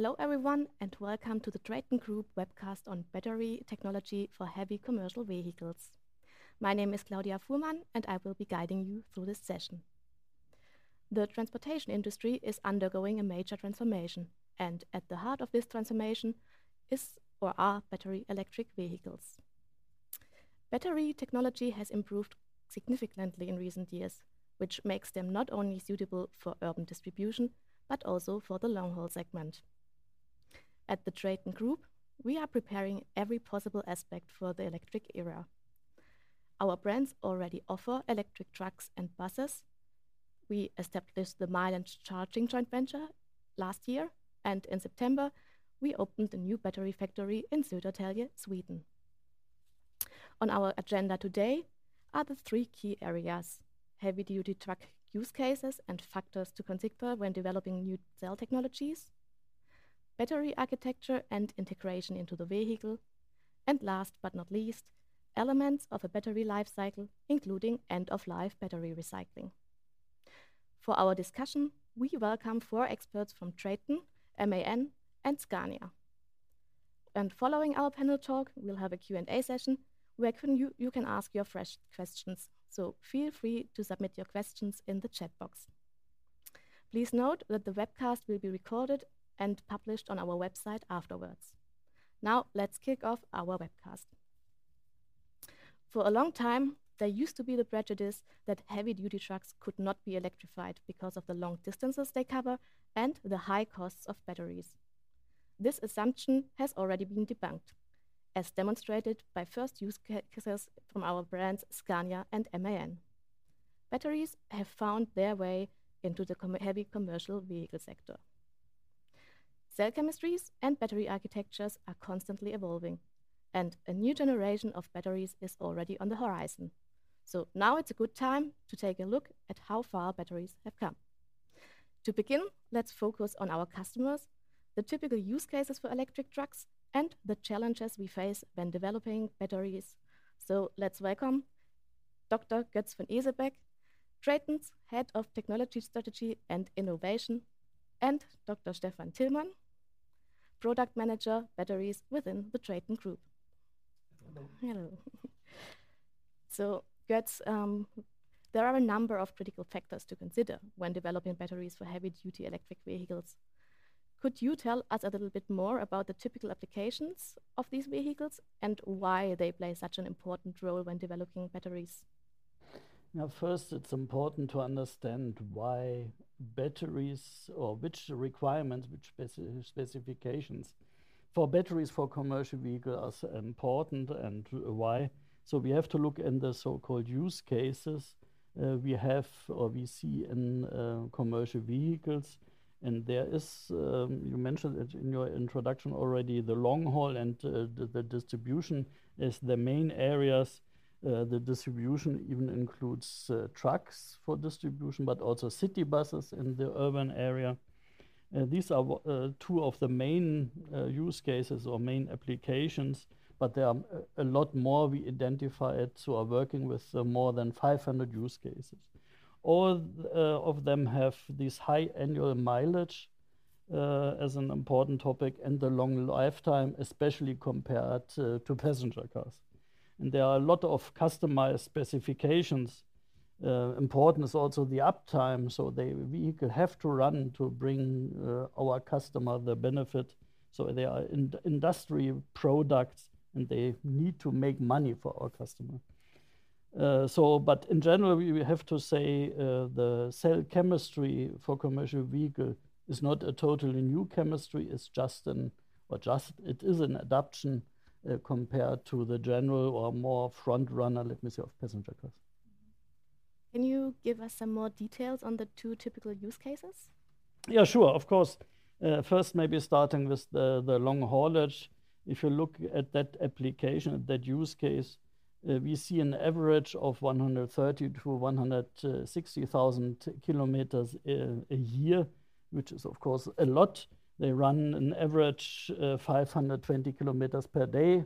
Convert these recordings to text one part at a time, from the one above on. Hello, everyone, and welcome to the TRATON GROUP webcast on battery technology for heavy commercial vehicles. My name is Claudia Fuhrmann, and I will be guiding you through this session. The transportation industry is undergoing a major transformation, and at the heart of this transformation is, or are battery electric vehicles. Battery technology has improved significantly in recent years, which makes them not only suitable for urban distribution, but also for the long-haul segment. At the TRATON GROUP, we are preparing every possible aspect for the electric era. Our brands already offer electric trucks and buses. We established the Milence Charging joint venture last year, and in September, we opened a new battery factory in Södertälje, Sweden. On our agenda today are the three key areas: heavy-duty truck use cases and factors to consider when developing new cell technologies, battery architecture and integration into the vehicle, and last but not least, elements of a battery life cycle, including end-of-life battery recycling. For our discussion, we welcome four experts from TRATON, MAN, and Scania. Following our panel talk, we'll have a Q&A session where you can ask your fresh questions, so feel free to submit your questions in the chat box. Please note that the webcast will be recorded and published on our website afterwards. Now, let's kick off our webcast. For a long time, there used to be the prejudice that heavy-duty trucks could not be electrified because of the long distances they cover and the high costs of batteries. This assumption has already been debunked, as demonstrated by first use cases from our brands, Scania and MAN. Batteries have found their way into the heavy commercial vehicle sector. Cell chemistries and battery architectures are constantly evolving, and a new generation of batteries is already on the horizon. So now it's a good time to take a look at how far batteries have come. To begin, let's focus on our customers, the typical use cases for electric trucks, and the challenges we face when developing batteries. Let's welcome Dr. Götz von Esebeck, TRATON's Head of Technology Strategy and Innovation, and Dr. Stefan Tillmann, Product Manager, Batteries, within the TRATON Group. Hello. Hello. So, Götz, there are a number of critical factors to consider when developing batteries for heavy-duty electric vehicles. Could you tell us a little bit more about the typical applications of these vehicles and why they play such an important role when developing batteries? Now, first, it's important to understand why batteries or which requirements, which specifications for batteries for commercial vehicles are so important and why. So we have to look in the so-called use cases we have or we see in commercial vehicles. And there is, you mentioned it in your introduction already, the long haul and the distribution is the main areas. The distribution even includes trucks for distribution, but also city buses in the urban area. These are two of the main use cases or main applications, but there are a lot more we identified, so we're working with more than 500 use cases. All of them have this high annual mileage as an important topic, and a long lifetime, especially compared to passenger cars. There are a lot of customized specifications. Important is also the uptime, so the vehicle have to run to bring our customer the benefit. So they are industry products, and they need to make money for our customer. But in general, we have to say, the cell chemistry for commercial vehicle is not a totally new chemistry, it's just an adaptation compared to the general or more front-runner battery of passenger cars. Can you give us some more details on the two typical use cases? Yeah, sure. Of course. First, maybe starting with the long haulage. If you look at that application, that use case, we see an average of 130-160,000 kilometers a year, which is, of course, a lot. They run an average, 520 kilometers per day,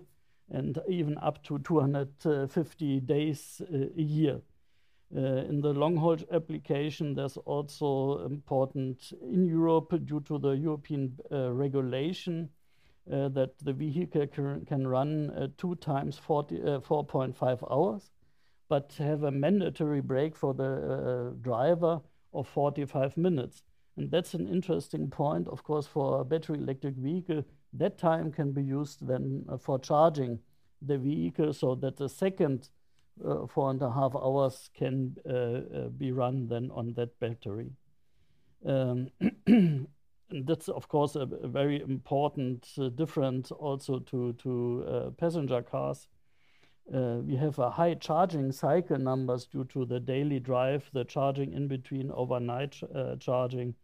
and even up to 250 days a year. In the long-haul application, that's also important in Europe, due to the European regulation, that the vehicle can run two times 44.5 hours, but have a mandatory break for the driver of 45 minutes. And that's an interesting point, of course, for a battery electric vehicle. That time can be used then for charging the vehicle so that the second 4.5 hours can be run then on that battery. That's, of course, a very important difference also to passenger cars. We have high charging cycle numbers due to the daily drive, the charging in between, overnight charging,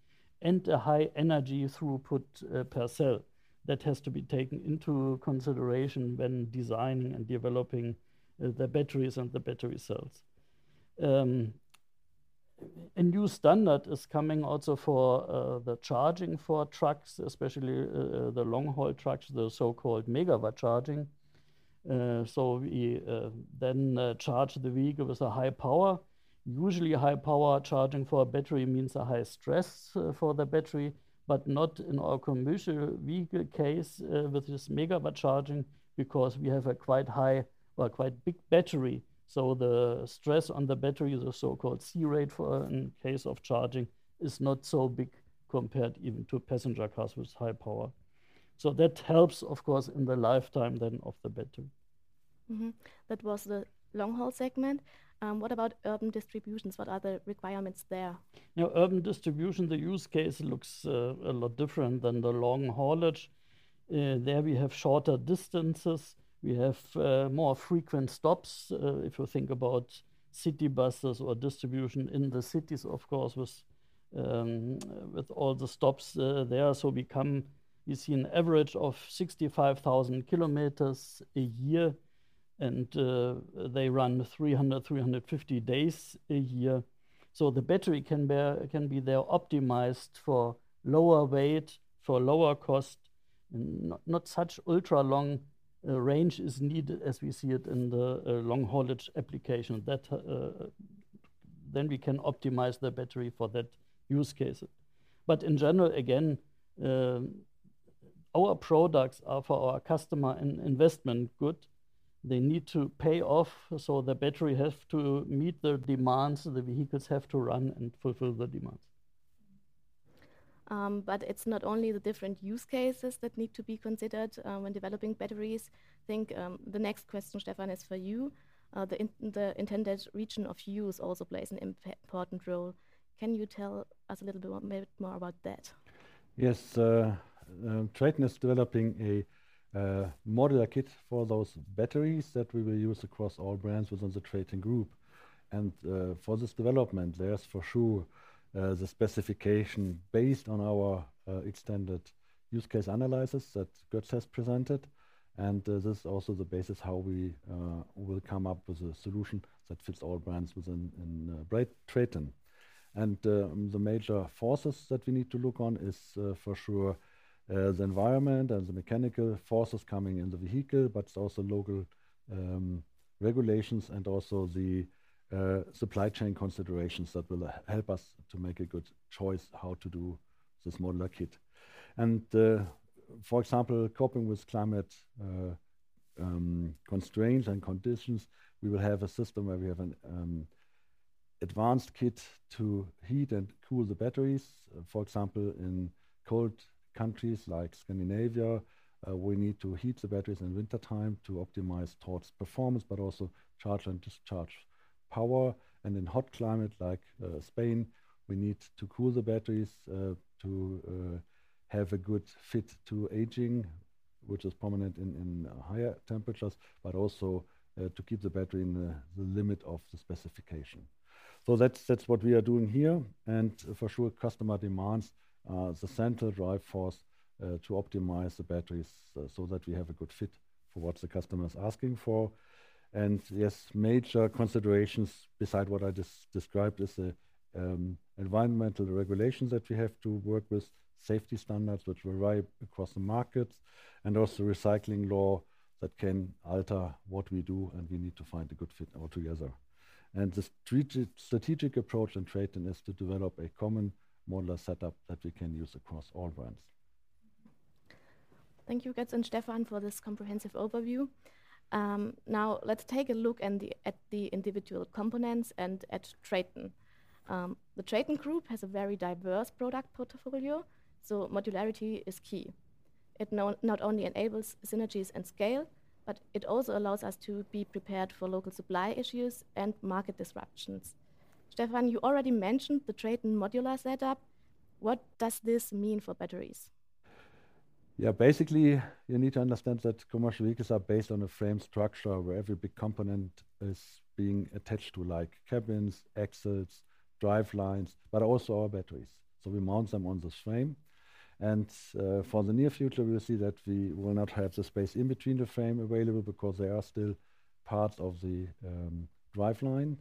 and a high energy throughput per cell. That has to be taken into consideration when designing and developing the batteries and the battery cells. A new standard is coming also for the charging for trucks, especially the long-haul trucks, the so-called megawatt charging. So we then charge the vehicle with a high power. Usually, a high power charging for a battery means a high stress, for the battery, but not in our commercial vehicle case, with this megawatt charging, because we have a quite high or quite big battery. So the stress on the battery is a so-called C-rate for, in case of charging, is not so big compared even to passenger cars with high power. So that helps, of course, in the lifetime then of the battery. Mm-hmm. That was the long-haul segment. What about urban distributions? What are the requirements there? Now, urban distribution, the use case looks a lot different than the long haulage. There we have shorter distances. We have more frequent stops. If you think about city buses or distribution in the cities, of course, with all the stops there. So we see an average of 65,000 kilometers a year, and they run 300-350 days a year. So the battery can be optimized for lower weight, for lower cost, and not such ultra long range is needed as we see it in the long haulage application. That, then we can optimize the battery for that use case. But in general, again, our products are for our customer and investment good. They need to pay off, so the battery has to meet the demands, the vehicles have to run and fulfill the demands. But it's not only the different use cases that need to be considered when developing batteries. I think the next question, Stefan, is for you. The intended region of use also plays an important role. Can you tell us a little bit more about that? Yes. TRATON is developing a modular kit for those batteries that we will use across all brands within the TRATON Group. And, for this development, there's for sure the specification based on our extended use case analysis that Götz has presented, and this is also the basis how we will come up with a solution that fits all brands within, in, TRATON. And, the major forces that we need to look on is for sure the environment and the mechanical forces coming in the vehicle, but also local regulations and also the supply chain considerations that will help us to make a good choice how to do this modular kit. For example, coping with climate constraints and conditions, we will have a system where we have an advanced kit to heat and cool the batteries. For example, in cold countries like Scandinavia, we need to heat the batteries in wintertime to optimize towards performance, but also charge and discharge power. And in hot climate like Spain, we need to cool the batteries to have a good fit to aging, which is prominent in higher temperatures, but also to keep the battery in the limit of the specification. So that's what we are doing here, and for sure, customer demands are the central drive force to optimize the batteries so that we have a good fit for what the customer is asking for. Yes, major considerations besides what I just described is the environmental regulations that we have to work with, safety standards which vary across the markets, and also recycling law that can alter what we do, and we need to find a good fit altogether. The strategic approach in TRATON is to develop a common modular setup that we can use across all brands. Thank you, Götz and Stefan, for this comprehensive overview. Now let's take a look at the individual components and at TRATON. The TRATON Group has a very diverse product portfolio, so modularity is key. It not only enables synergies and scale, but it also allows us to be prepared for local supply issues and market disruptions. Stefan, you already mentioned the TRATON modular setup. What does this mean for batteries? Yeah, basically, you need to understand that commercial vehicles are based on a frame structure, where every big component is being attached to, like cabins, axles, drivelines, but also our batteries. So we mount them on this frame, and for the near future, we'll see that we will not have the space in between the frame available because they are still part of the driveline.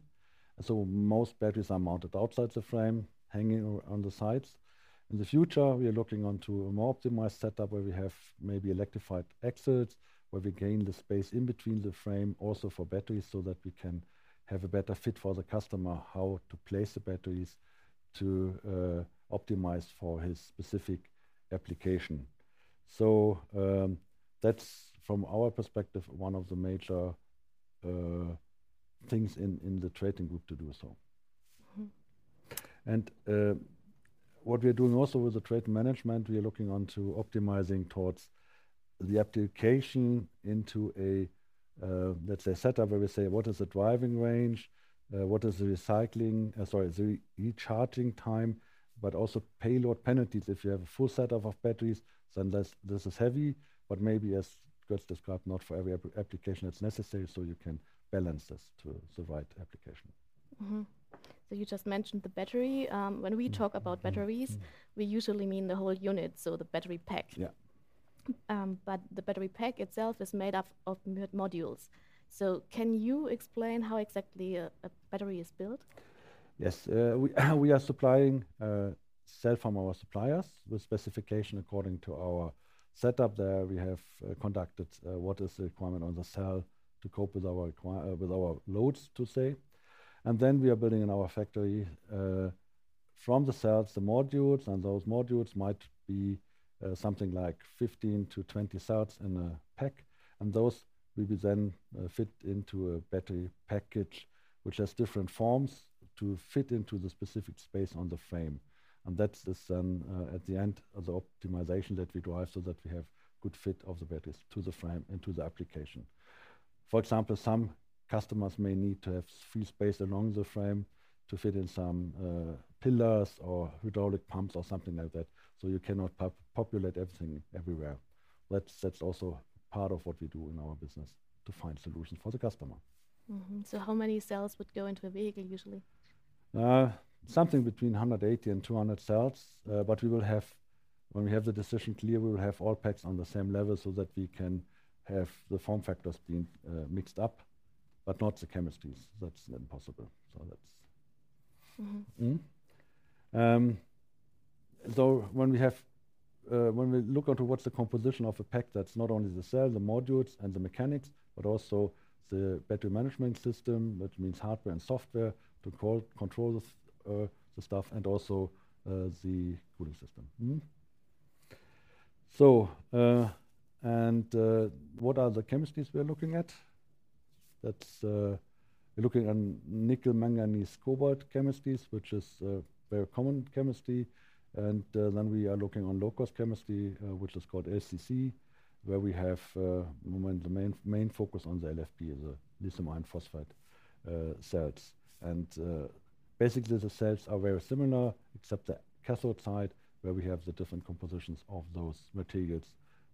So most batteries are mounted outside the frame, hanging on the sides. In the future, we are looking onto a more optimized setup, where we have maybe electrified axles, where we gain the space in between the frame also for batteries, so that we can have a better fit for the customer, how to place the batteries to optimize for his specific application. That's, from our perspective, one of the major things in the TRATON Group to do so. Mm-hmm. What we are doing also with the TRATON management, we are looking onto optimizing towards the application into a, let's say, setup, where we say: What is the driving range? Sorry, the e-charging time, but also payload penalties. If you have a full set of, of batteries, then this, this is heavy, but maybe, as Götz described, not for every application it's necessary, so you can balance this to the right application. Mm-hmm. You just mentioned the battery. When we talk about batteries- Mm-hmm... we usually mean the whole unit, so the battery pack. Yeah. But the battery pack itself is made up of modules. So can you explain how exactly a battery is built?... Yes, we are supplying cell from our suppliers with specification according to our setup there. We have conducted what is the requirement on the cell to cope with our loads, to say. And then we are building in our factory from the cells the modules, and those modules might be something like 15-20 cells in a pack, and those will be then fit into a battery package, which has different forms to fit into the specific space on the frame. And that's the sum at the end of the optimization that we drive so that we have good fit of the batteries to the frame and to the application. For example, some customers may need to have free space along the frame to fit in some pillars or hydraulic pumps or something like that, so you cannot populate everything everywhere. That's also part of what we do in our business, to find solutions for the customer. Mm-hmm. So how many cells would go into a vehicle usually? Something between 180 and 200 cells. But we will have. When we have the decision clear, we will have all packs on the same level so that we can have the form factors being mixed up, but not the chemistries. That's not possible, so that's. Mm-hmm. Mm-hmm. When we look onto what's the composition of a pack, that's not only the cell, the modules, and the mechanics, but also the battery management system. That means hardware and software to control the stuff, and also the cooling system. Mm-hmm. What are the chemistries we are looking at? That's, we're looking on Nickel Manganese Cobalt chemistries, which is a very common chemistry. Then we are looking on Low-Cost Chemistry, which is called LCC, where we have the main focus on the LFP, the Lithium Iron Phosphate, cells. Basically, the cells are very similar, except the cathode side, where we have the different compositions of those materials,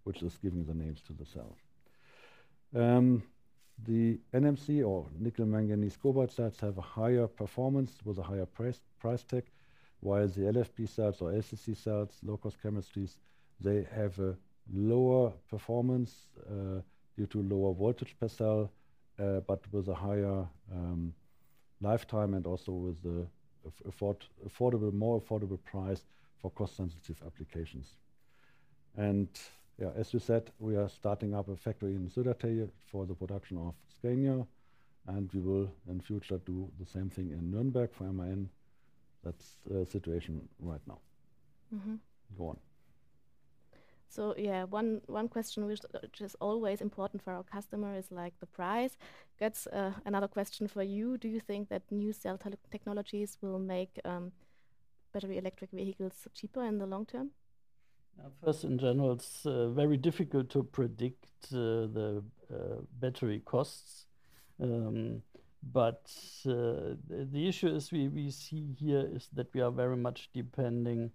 which is giving the names to the cell. The NMC or nickel manganese cobalt cells have a higher performance with a higher price tag, while the LFP cells or LCC cells, low-cost chemistries, they have a lower performance due to lower voltage per cell, but with a higher lifetime and also with a more affordable price for cost-sensitive applications. Yeah, as you said, we are starting up a factory in Södertälje for the production of Scania, and we will, in future, do the same thing in Nürnberg for MAN. That's the situation right now. Mm-hmm. Go on. So yeah, one question which is always important for our customer is, like, the price. That's another question for you. Do you think that new cell technologies will make battery electric vehicles cheaper in the long term? First, in general, it's very difficult to predict the battery costs. But the issue is we see here is that we are very much depending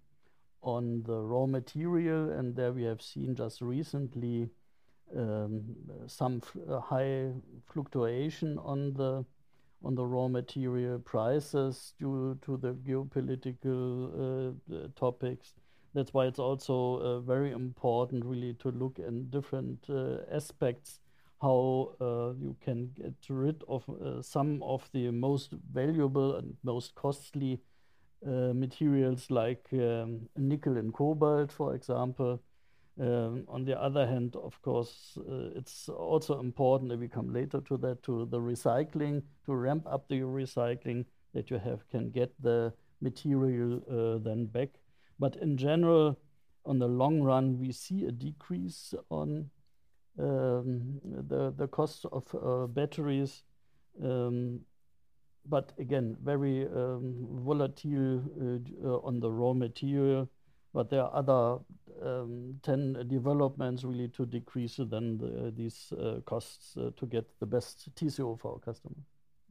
on the raw material, and there we have seen just recently some high fluctuation on the raw material prices due to the geopolitical topics. That's why it's also very important really to look in different aspects, how you can get rid of some of the most valuable and most costly materials like nickel and cobalt, for example. On the other hand, of course, it's also important that we come later to that, to the recycling, to ramp up the recycling that you have, can get the material then back. But in general, on the long run, we see a decrease on the cost of batteries. But again, very volatile on the raw material. But there are other ten developments really to decrease then the these costs to get the best TCO for our customer.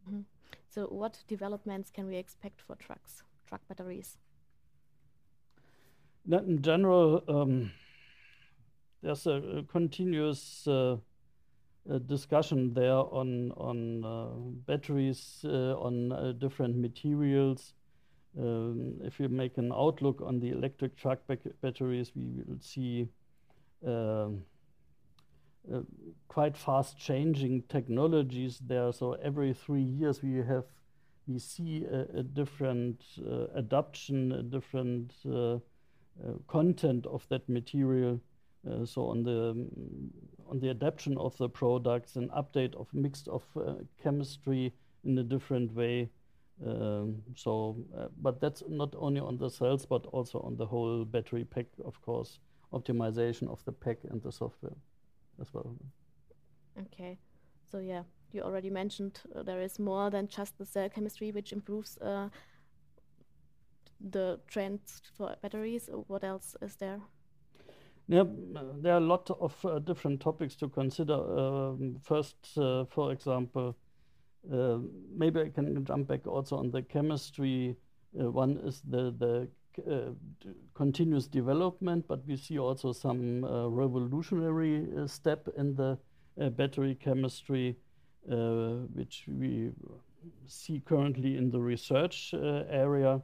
Mm-hmm. So what developments can we expect for trucks, truck batteries? That in general, there's a continuous discussion there on batteries, on different materials. If you make an outlook on the electric truck batteries, we will see quite fast-changing technologies there. So every three years, we see a different adoption, a different content of that material. So on the adaptation of the products and update of mix of chemistry in a different way. But that's not only on the cells, but also on the whole battery pack, of course, optimization of the pack and the software as well. Okay. So yeah, you already mentioned there is more than just the cell chemistry, which improves the trends for batteries. What else is there? Yeah. There are a lot of different topics to consider. First, for example, maybe I can jump back also on the chemistry. One is the continuous development, but we see also some revolutionary step in the battery chemistry, which we see currently in the research area.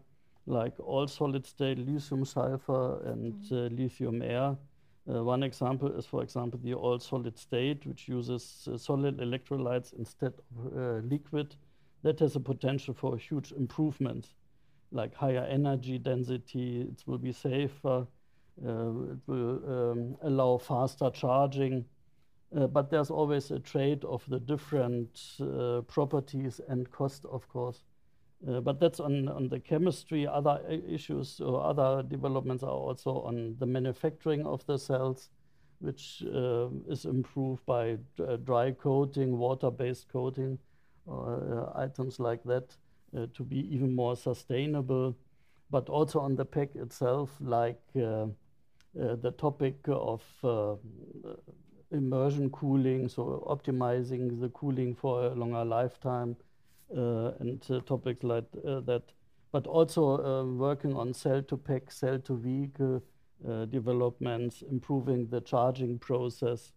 Like all-solid-state lithium sulfur and lithium air. One example is, for example, the all-solid-state, which uses solid electrolytes instead of liquid. That has a potential for huge improvement, like higher energy density, it will be safer, it will allow faster charging. But there's always a trade-off of the different properties and cost, of course. But that's on the chemistry. Other issues or other developments are also on the manufacturing of the cells, which is improved by dry coating, water-based coating, items like that, to be even more sustainable. But also on the pack itself, like, the topic of immersion cooling, so optimizing the cooling for a longer lifetime, and topics like that. But also, working on cell-to-pack, cell-to-vehicle developments, improving the charging process,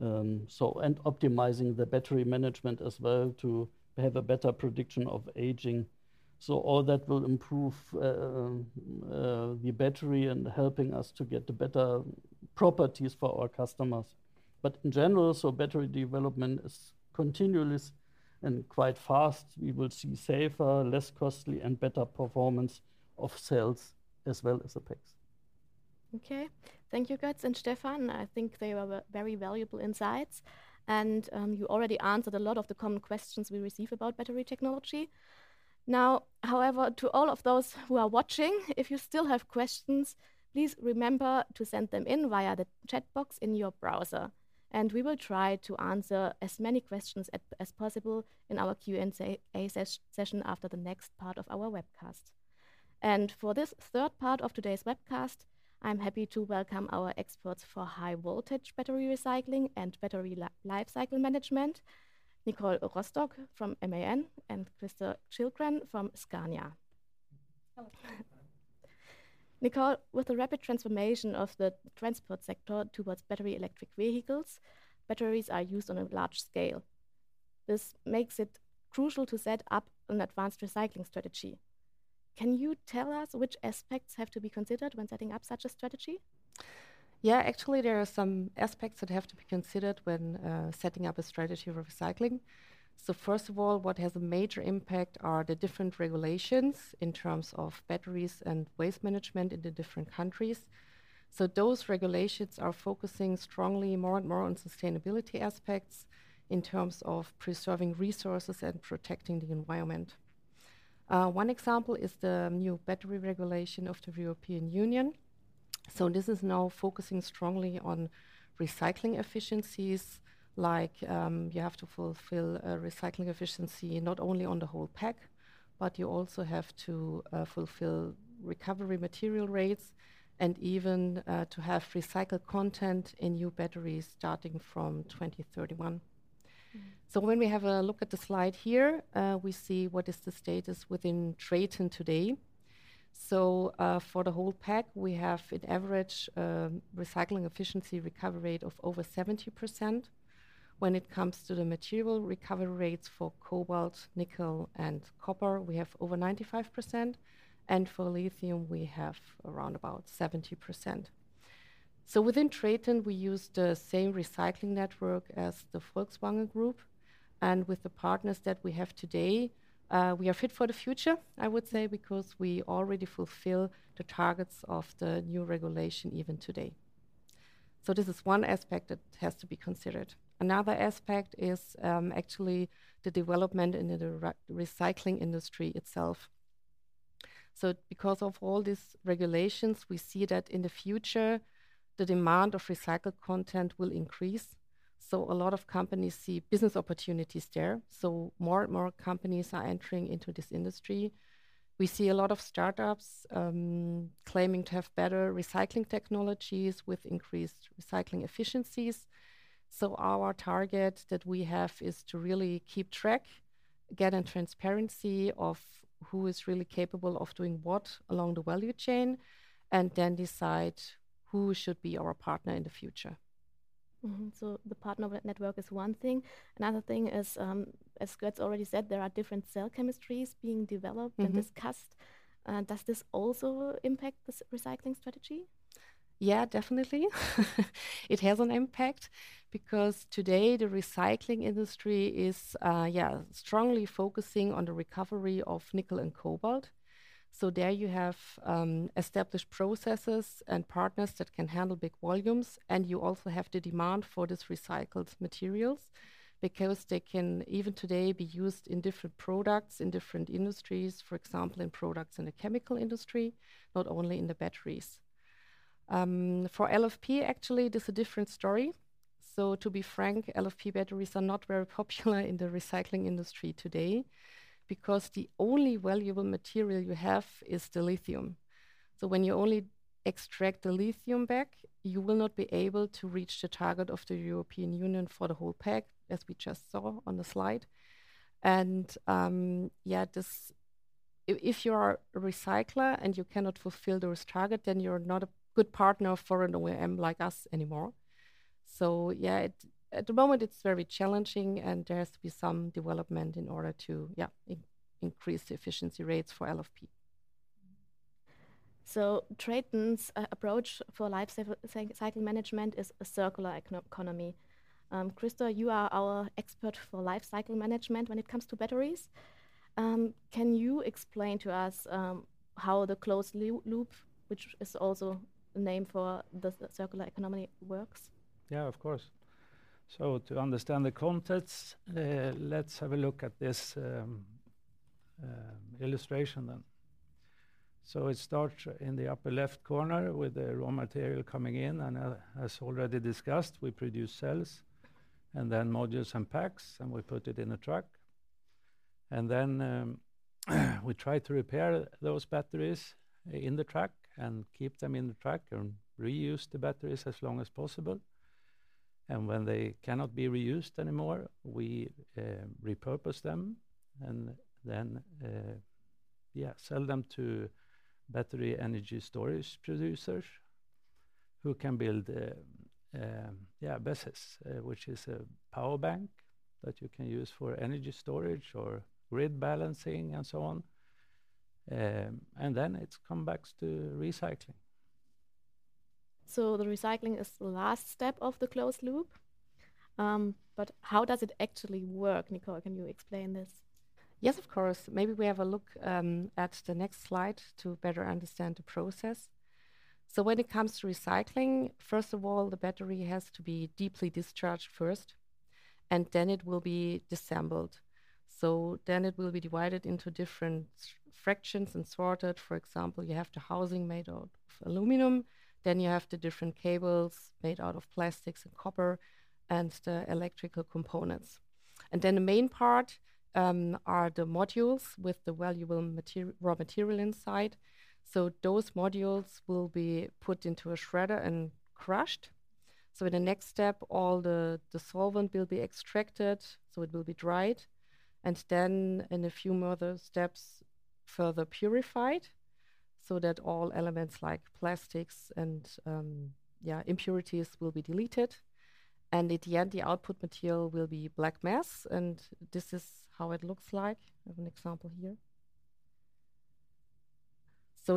so, and optimizing the battery management as well to have a better prediction of aging. So all that will improve the battery and helping us to get the better properties for our customers. But in general, so battery development is continuous and quite fast. We will see safer, less costly, and better performance of cells as well as the packs. Okay. Thank you, Götz and Stefan. I think they were very valuable insights, and you already answered a lot of the common questions we receive about battery technology. Now, however, to all of those who are watching, if you still have questions, please remember to send them in via the chat box in your browser, and we will try to answer as many questions as possible in our Q&A session after the next part of our webcast. For this third part of today's webcast, I'm happy to welcome our experts for high-voltage battery recycling and battery life cycle management, Nicole Rostock from MAN and Christer Kilgren from Scania. Hello. Nicole, with the rapid transformation of the transport sector towards battery electric vehicles, batteries are used on a large scale. This makes it crucial to set up an advanced recycling strategy. Can you tell us which aspects have to be considered when setting up such a strategy? Yeah, actually, there are some aspects that have to be considered when setting up a strategy for recycling. So first of all, what has a major impact are the different regulations in terms of batteries and waste management in the different countries. So those regulations are focusing strongly more and more on sustainability aspects in terms of preserving resources and protecting the environment. One example is the new battery regulation of the European Union. So this is now focusing strongly on recycling efficiencies, like, you have to fulfil a recycling efficiency not only on the whole pack, but you also have to fulfil recovery material rates and even to have recycled content in new batteries starting from 2031. Mm-hmm. So when we have a look at the slide here, we see what is the status within TRATON today. So, for the whole pack, we have an average recycling efficiency recovery rate of over 70%. When it comes to the material recovery rates for cobalt, nickel, and copper, we have over 95%, and for lithium, we have around about 70%. So within TRATON, we use the same recycling network as the Volkswagen Group, and with the partners that we have today, we are fit for the future, I would say, because we already fulfill the targets of the new regulation even today. So this is one aspect that has to be considered. Another aspect is, actually the development in the recycling industry itself. Because of all these regulations, we see that in the future, the demand of recycled content will increase. A lot of companies see business opportunities there, so more and more companies are entering into this industry. We see a lot of start-ups, claiming to have better recycling technologies with increased recycling efficiencies. Our target that we have is to really keep track, get a transparency of who is really capable of doing what along the value chain, and then decide who should be our partner in the future. Mm-hmm. So the partner network is one thing. Another thing is, as Götz already said, there are different cell chemistries being developed- Mm-hmm... and discussed. Does this also impact the recycling strategy? Yeah, definitely. It has an impact because today, the recycling industry is strongly focusing on the recovery of nickel and cobalt. So there you have established processes and partners that can handle big volumes, and you also have the demand for these recycled materials because they can, even today, be used in different products, in different industries, for example, in products in the chemical industry, not only in the batteries. For LFP, actually, it is a different story. So to be frank, LFP batteries are not very popular in the recycling industry today because the only valuable material you have is the lithium. So when you only extract the lithium back, you will not be able to reach the target of the European Union for the whole pack, as we just saw on the slide. And this... If you are a recycler and you cannot fulfill this target, then you're not a good partner for an OEM like us anymore. So yeah, at the moment, it's very challenging, and there has to be some development in order to, yeah, increase the efficiency rates for LFP. So TRATON's approach for life cycle management is a circular economy. Christer, you are our expert for life cycle management when it comes to batteries. Can you explain to us how the closed loop, which is also the name for the circular economy, works? Yeah, of course. So to understand the context, let's have a look at this illustration then. So it starts in the upper left corner with the raw material coming in, and as already discussed, we produce cells and then modules and packs, and we put it in a truck. And then, we try to repair those batteries in the truck and keep them in the truck and reuse the batteries as long as possible. And when they cannot be reused anymore, we repurpose them and then, yeah, sell them to battery energy storage producers, who can build yeah, BESS, which is a power bank that you can use for energy storage or grid balancing and so on. And then it's come back to recycling. The recycling is the last step of the closed loop. How does it actually work? Nicole, can you explain this? Yes, of course. Maybe we have a look at the next slide to better understand the process. When it comes to recycling, first of all, the battery has to be deeply discharged first, and then it will be disassembled. Then it will be divided into different fractions and sorted. For example, you have the housing made out of aluminum, then you have the different cables made out of plastics and copper and the electrical components. And then the main part are the modules with the valuable raw material inside. Those modules will be put into a shredder and crushed. In the next step, all the solvent will be extracted, so it will be dried, and then in a few more other steps, further purified, so that all elements like plastics and impurities will be deleted. In the end, the output material will be black mass, and this is how it looks like. I have an example here.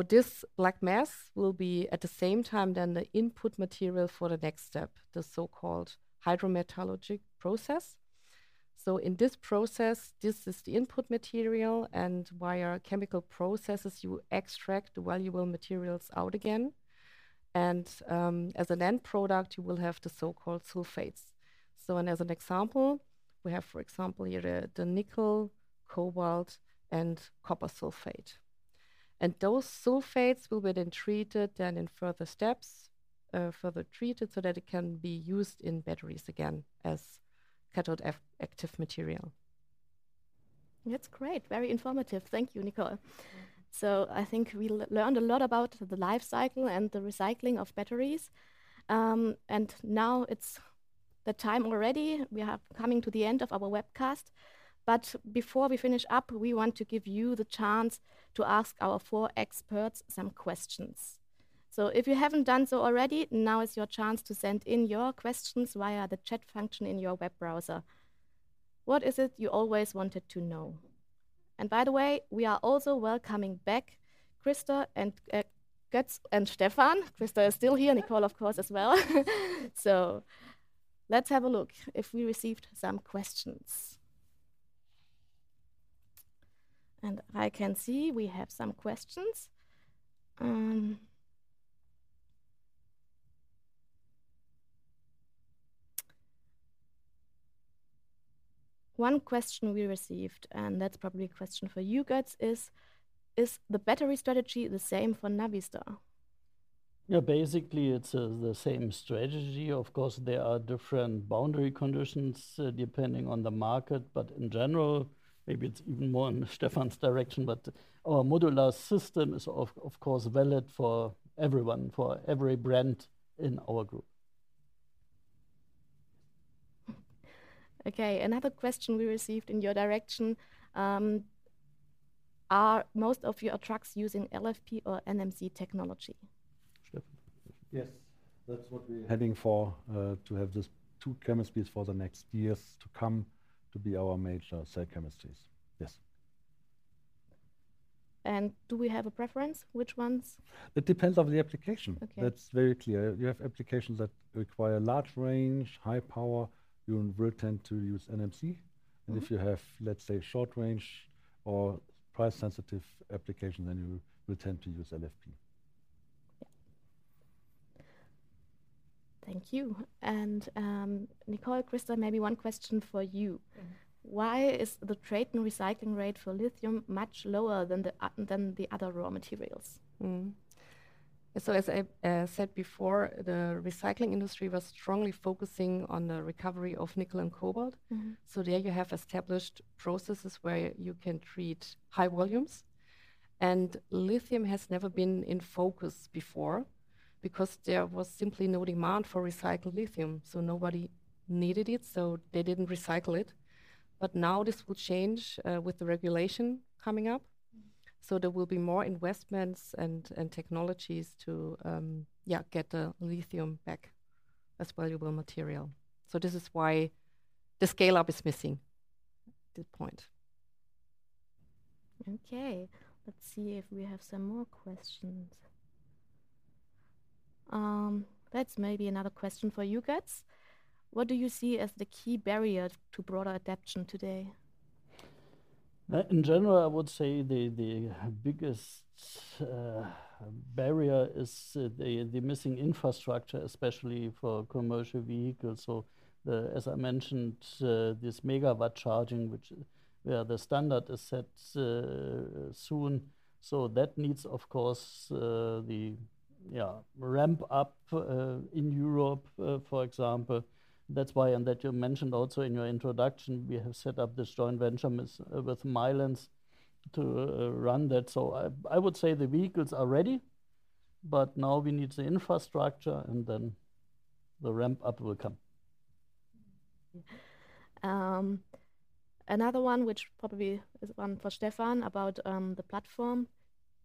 This black mass will be, at the same time, then the input material for the next step, the so-called hydrometallurgical process. In this process, this is the input material, and via chemical processes, you extract the valuable materials out again, and as an end product, you will have the so-called sulfates. And as an example, we have, for example, here the nickel, cobalt, and copper sulfate. And those sulfates will be then treated, then in further steps, further treated so that it can be used in batteries again as cathode active material. That's great. Very informative. Thank you, Nicole. So I think we learned a lot about the life cycle and the recycling of batteries. And now it's the time already, we are coming to the end of our webcast. But before we finish up, we want to give you the chance to ask our four experts some questions. So if you haven't done so already, now is your chance to send in your questions via the chat function in your web browser. What is it you always wanted to know? And by the way, we are also welcoming back Christer and Götz and Stefan. Christer is still here, Nicole, of course, as well. So let's have a look if we received some questions. And I can see we have some questions. One question we received, and that's probably a question for you, Götz, is: Is the battery strategy the same for Navistar? Yeah, basically, it's the same strategy. Of course, there are different boundary conditions, depending on the market, but in general, maybe it's even more in Stefan's direction, but our modular system is, of course, valid for everyone, for every brand in our group. Okay, another question we received in your direction: Are most of your trucks using LFP or NMC technology? Stefan. Yes, that's what we're heading for, to have these two chemistries for the next years to come to be our major cell chemistries. Yes. Do we have a preference, which ones? It depends on the application. Okay. That's very clear. You have applications that require large range, high power, you will tend to use NMC. Mm-hmm. If you have, let's say, short range or price-sensitive application, then you will tend to use LFP. Yeah. Thank you. And, Nicole, Christer, maybe one question for you. Mm-hmm. Why is the TRATON recycling rate for lithium much lower than the other raw materials? Mm-hmm. So as I said before, the recycling industry was strongly focusing on the recovery of nickel and cobalt. Mm-hmm. So there you have established processes where you can treat high volumes, and lithium has never been in focus before because there was simply no demand for recycled lithium, so nobody needed it, so they didn't recycle it. But now this will change with the regulation coming up. ... so there will be more investments and, and technologies to, get the lithium back as valuable material. So this is why the scale-up is missing, the point. Okay, let's see if we have some more questions. That's maybe another question for you, Götz. What do you see as the key barrier to broader adoption today? In general, I would say the biggest barrier is the missing infrastructure, especially for commercial vehicles. So, as I mentioned, this megawatt charging, which the standard is set soon. So that needs, of course, the ramp up in Europe, for example. That's why, and that you mentioned also in your introduction, we have set up this joint venture with Milence to run that. So I would say the vehicles are ready, but now we need the infrastructure, and then the ramp up will come. Another one, which probably is one for Stefan, about, the platform: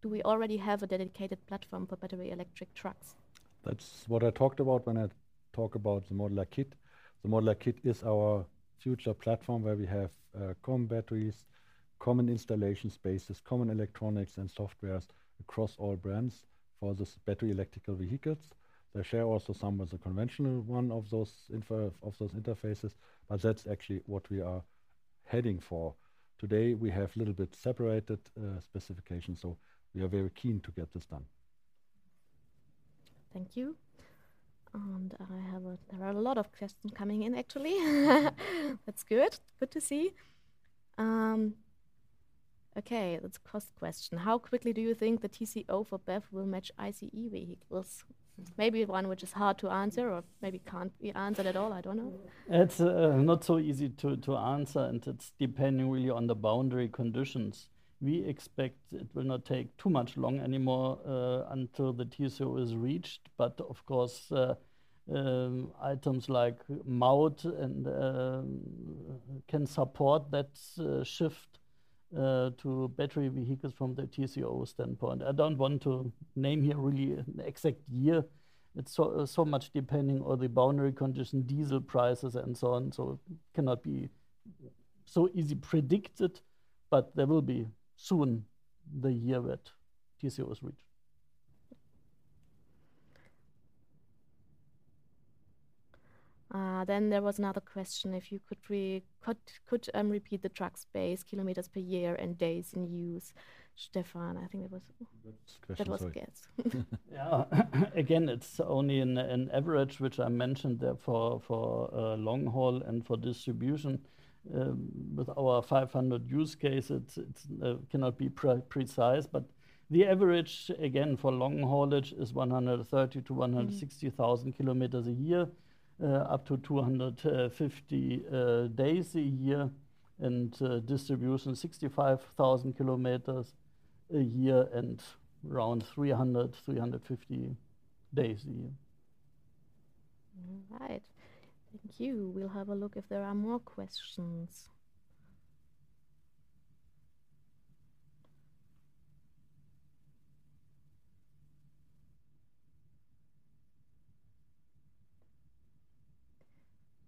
Do we already have a dedicated platform for battery electric trucks? That's what I talked about when I talk about the modular kit. The modular kit is our future platform, where we have common batteries, common installation spaces, common electronics and softwares across all brands for this battery electrical vehicles. They share also some of the conventional one of those of those interfaces, but that's actually what we are heading for. Today, we have little bit separated specifications, so we are very keen to get this done. Thank you. And I have a, there are a lot of questions coming in, actually. That's good. Good to see. Okay, let's cost question: How quickly do you think the TCO for BEV will match ICE vehicles? Maybe one which is hard to answer or maybe can't be answered at all, I don't know. It's not so easy to answer, and it's depending really on the boundary conditions. We expect it will not take too much long anymore until the TCO is reached. But of course, items like Maut and can support that shift to battery vehicles from the TCO standpoint. I don't want to name here really an exact year. It's so much depending on the boundary condition, diesel prices, and so on, so it cannot be so easy predicted, but there will be soon the year that TCO is reached. Then there was another question, if you could repeat the truck space, kilometers per year, and days in use. Stefan, I think that was- Good question. Sorry. That was Gerd's. Yeah. Again, it's only an average, which I mentioned, therefore, for long haul and for distribution. With our 500 use case, it cannot be precise, but the average, again, for long haulage is 130-160,000 kilometers a year, up to 250 days a year, and distribution, 65,000 kilometers a year and around 350 days a year. All right. Thank you. We'll have a look if there are more questions.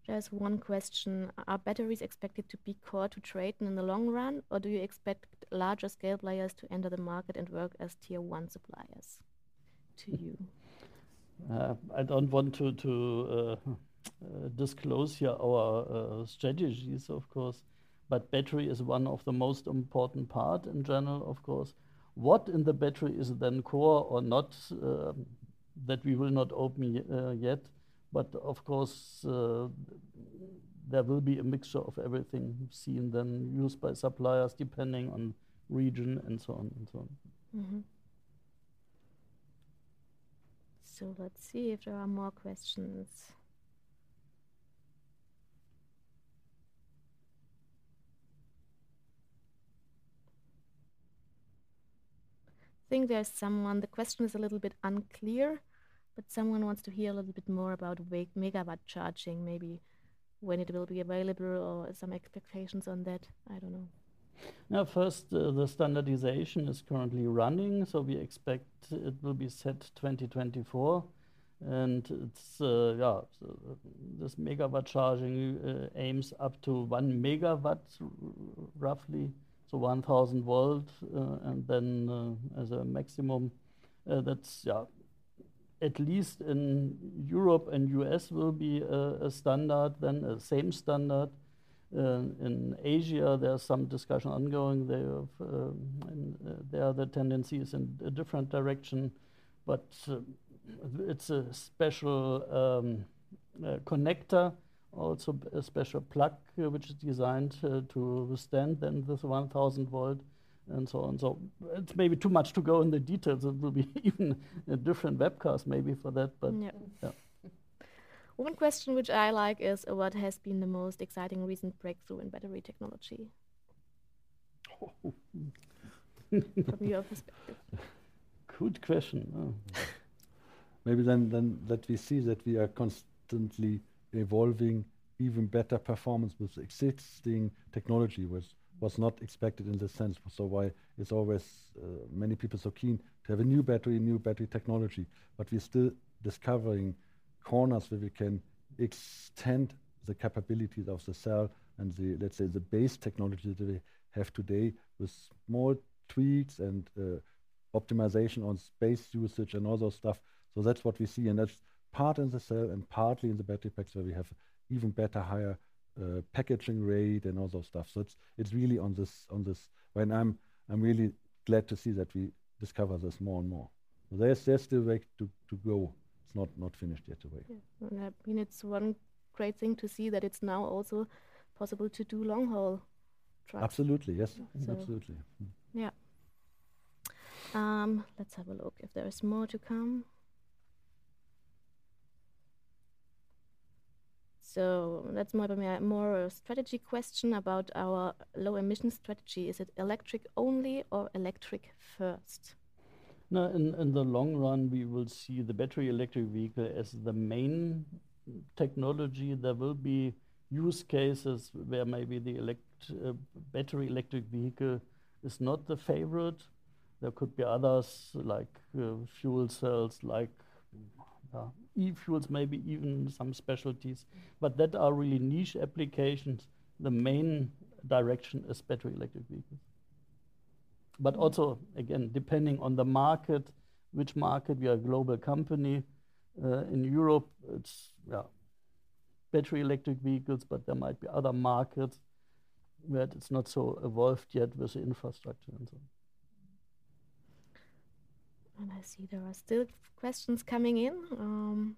There's one question: Are batteries expected to be core to TRATON in the long run, or do you expect larger scale players to enter the market and work as Tier One suppliers? To you. I don't want to disclose here our strategies, of course, but battery is one of the most important part in general, of course. What in the battery is then core or not, that we will not open yet, but of course, there will be a mixture of everything seen then used by suppliers, depending on region and so on and so on. Mm-hmm. So let's see if there are more questions. I think there's someone... The question is a little bit unclear, but someone wants to hear a little bit more about megawatt charging, maybe when it will be available or some expectations on that. I don't know. Now, first, the standardization is currently running, so we expect it will be set 2024, and it's, yeah, so this megawatt charging aims up to 1 megawatt, roughly, so 1,000 volt, and then, as a maximum, that's, yeah, at least in Europe and U.S., will be a, a standard, then the same standard. In Asia, there are some discussion ongoing there of, there are the tendencies in a different direction, but, it's a special connector, also a special plug, which is designed to withstand then this 1,000 volt and so on and so on. It's maybe too much to go in the details. It will be even a different webcast, maybe for that, but- Yeah. Yeah. One question, which I like, is: What has been the most exciting recent breakthrough in battery technology? Oh. From your perspective. Good question.... maybe then that we see that we are constantly evolving even better performance with existing technology, which was not expected in this sense. So why it's always, many people so keen to have a new battery, new battery technology, but we're still discovering corners where we can extend the capabilities of the cell and the, let's say, the base technology that we have today, with small tweaks and, optimization on space usage and all those stuff. So that's what we see, and that's part in the cell and partly in the battery packs, where we have even better, higher, packaging rate and all those stuff. So it's, it's really on this, on this. Well, I'm really glad to see that we discover this more and more. There's still way to go. It's not finished yet the way. Yeah. I mean, it's one great thing to see that it's now also possible to do long haul trucks. Absolutely. Yes. So- Absolutely. Yeah. Let's have a look if there is more to come. So that's more of a strategy question about our low emission strategy: Is it electric only or electric first? No, in the long run, we will see the battery electric vehicle as the main technology. There will be use cases where maybe the battery electric vehicle is not the favorite. There could be others like fuel cells, like e-fuels, maybe even some specialties, but that are really niche applications. The main direction is battery electric vehicles. But also, again, depending on the market, which market, we are a global company. In Europe, it's, yeah, battery electric vehicles, but there might be other markets where it's not so evolved yet with the infrastructure and so on. I see there are still questions coming in.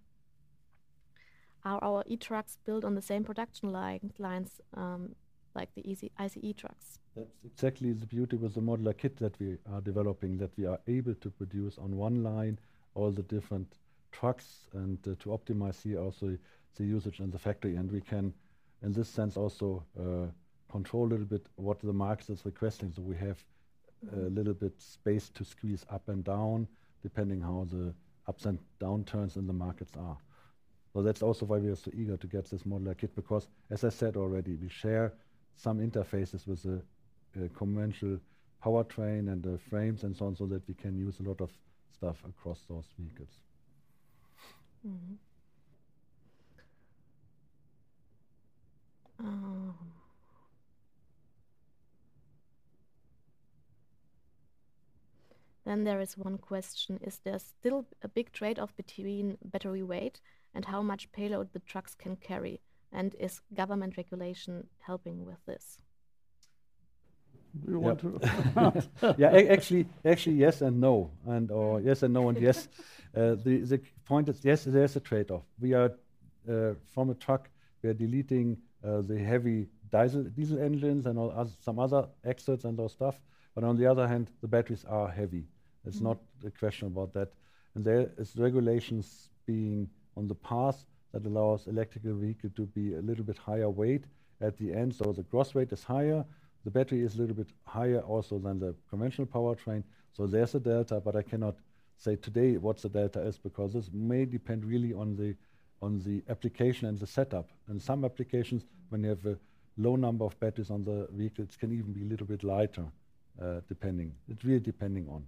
Are our e-trucks built on the same production lines, like the IC, ICE trucks? That's exactly the beauty with the modular kit that we are developing, that we are able to produce on one line all the different trucks and to optimize the, also the usage in the factory. And we can, in this sense, also, control a little bit what the market is requesting, so we have a little bit space to squeeze up and down, depending how the ups and downturns in the markets are. Well, that's also why we are so eager to get this modular kit, because, as I said already, we share some interfaces with the, conventional powertrain and the frames and so on, so that we can use a lot of stuff across those vehicles. Mm-hmm. Then there is one question: Is there still a big trade-off between battery weight and how much payload the trucks can carry? And is government regulation helping with this? We want to- Yeah, actually, actually, yes and no, and or yes and no, and yes. The point is, yes, there's a trade-off. We are, from a truck, we are deleting the heavy diesel engines and all other, some other exhausts and other stuff, but on the other hand, the batteries are heavy. Mm-hmm. It's not a question about that. There is regulations being on the path that allows electric vehicle to be a little bit higher weight at the end, so the gross weight is higher, the battery is a little bit higher also than the conventional powertrain. So there's a delta, but I cannot say today what the delta is, because this may depend really on the application and the setup. In some applications, when you have a low number of batteries on the vehicles, it can even be a little bit lighter, depending. It really depending on.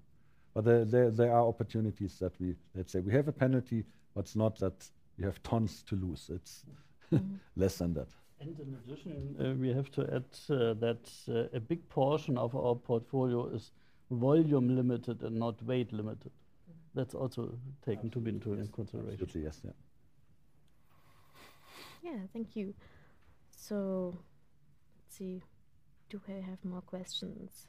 But there are opportunities that we- let's say we have a penalty, but it's not that we have tons to lose. It's less than that. In addition, we have to add that a big portion of our portfolio is volume limited and not weight limited. Mm-hmm. That's also taken to be into consideration. Absolutely, yes. Yeah. Yeah. Thank you. So let's see. Do I have more questions?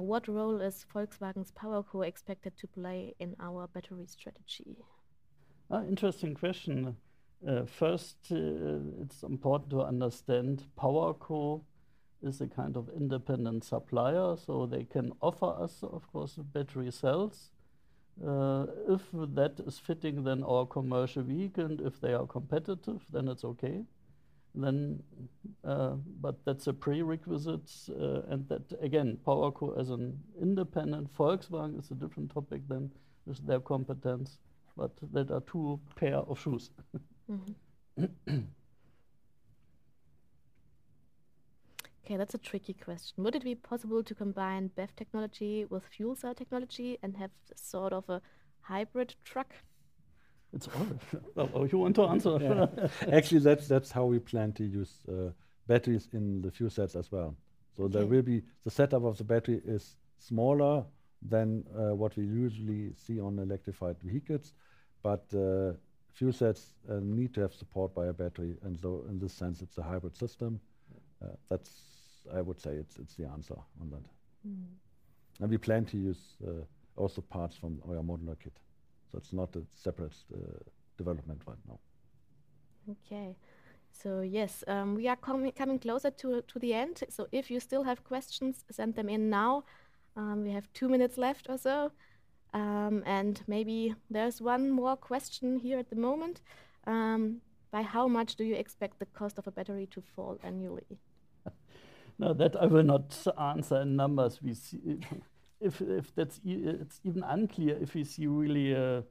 What role is Volkswagen's PowerCo expected to play in our battery strategy? Interesting question. First, it's important to understand PowerCo is a kind of independent supplier, so they can offer us, of course, battery cells. If that is fitting, then our commercial vehicle, and if they are competitive, then it's okay. But that's a prerequisite, and that, again, PowerCo as an independent, Volkswagen is a different topic than just their competence, but that are two pair of shoes. Mm-hmm. Okay, that's a tricky question: Would it be possible to combine BEV technology with fuel cell technology and have sort of a hybrid truck? It's... you want to answer? Yeah. Actually, that's how we plan to use batteries in the fuel cells as well. Okay. The setup of the battery is smaller than what we usually see on electrified vehicles, but the fuel cells need to have support by a battery, and so in this sense, it's a hybrid system. That's. I would say it's, it's the answer on that. Mm-hmm. We plan to use also parts from our modular kit, so it's not a separate development right now. Okay. So yes, we are coming closer to the end. If you still have questions, send them in now. We have two minutes left or so. And maybe there's one more question here at the moment: By how much do you expect the cost of a battery to fall annually? No, that I will not answer in numbers. We see if that's even unclear, if you see really a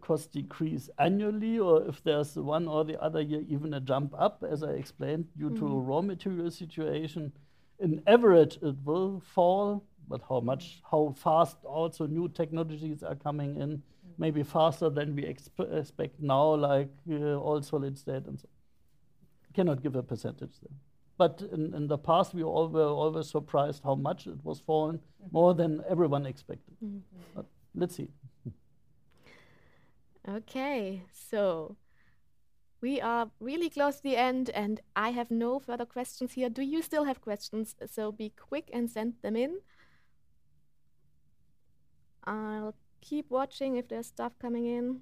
cost decrease annually, or if there's one or the other year, even a jump up, as I explained. Mm-hmm... due to raw material situation. In average, it will fall, but how much, how fast also, new technologies are coming in, maybe faster than we expect now, like, all solid state and so on. Cannot give a percentage though, but in the past, we all were always surprised how much it was falling, more than everyone expected. Mm-hmm. Let's see. Okay, so we are really close to the end, and I have no further questions here. Do you still have questions? So be quick and send them in. I'll keep watching if there's stuff coming in.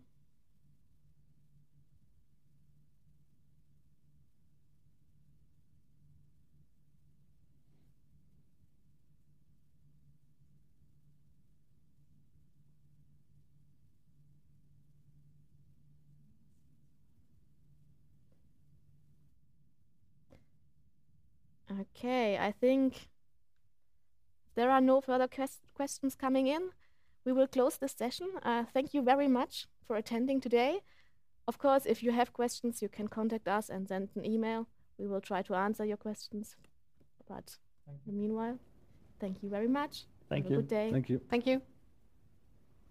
Okay, I think there are no further questions coming in. We will close the session. Thank you very much for attending today. Of course, if you have questions, you can contact us and send an email. We will try to answer your questions. But- Thank you... meanwhile, thank you very much. Thank you. Have a good day. Thank you. Thank you.